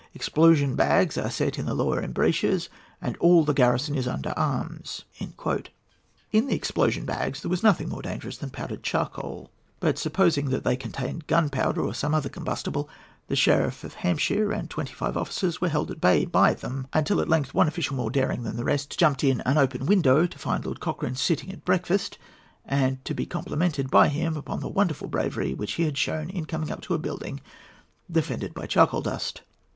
Explosion bags are set in the lower embrasures, and all the garrison is under arms." In the explosion bags there was nothing more dangerous than powdered charcoal; but, supposing they contained gunpowder or some other combustible, the sheriff of Hampshire and twenty five officers were held at bay by them, until at length one official, more daring than the rest, jumped in at an open window, to find Lord Cochrane sitting at breakfast and to be complimented by him upon the wonderful bravery which he had shown in coming up to a building defended by charcoal dust.